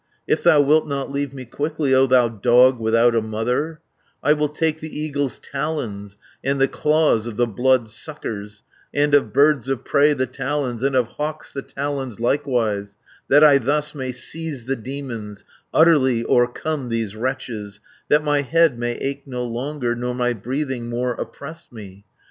"If thou wilt not leave me quickly, O thou dog without a mother, I will take the eagles' talons And the claws of the blood suckers, And of birds of prey the talons, And of hawks the talons likewise, 490 That I thus may seize the demons, Utterly o'ercome these wretches, That my head may ache no longer, Nor my breathing more oppress me.